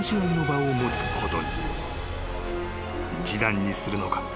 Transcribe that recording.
［示談にするのか？